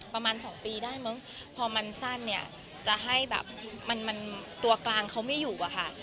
ประมาณสองปีได้มั้งพอมันสั้นจะให้ตัวกลางเขาไม่อยู่ค่ะ